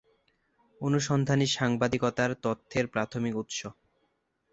অনুসন্ধানী সাংবাদিকতার তথ্যের প্রাথমিক উৎস।